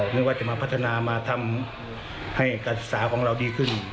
นึกว่าจะมาพัฒนามาทำให้การศึกษาของเราดีขึ้น